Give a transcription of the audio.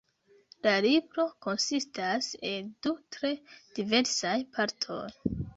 La libro konsistas el du tre diversaj partoj.